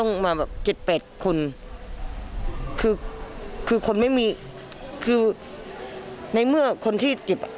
สวัสดีครับ